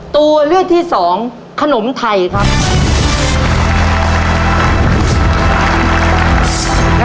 ตัวเลือกที่สองขนมไทยครับ